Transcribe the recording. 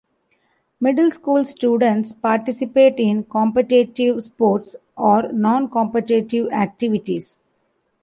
Middle School students participate in competitive sports or non-competitive activities.